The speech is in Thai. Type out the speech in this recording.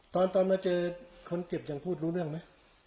ตอนมาเจอคนเจ็บยังพูดรู้เรื่องไหม